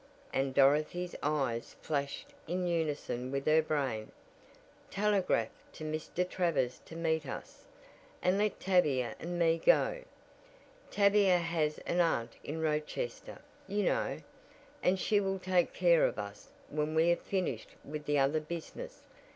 and Dorothy's eyes flashed in unison with her brain. "Telegraph to Mr. Travers to meet us, and let Tavia and me go. Tavia has an aunt in Rochester, you know, and she will take care of us when we have finished with the other business.